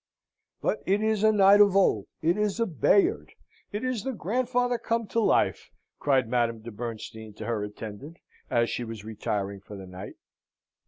"But it is a knight of old, it is a Bayard, it is the grandfather come to life!" cried Madame de Bernstein to her attendant, as she was retiring for the night.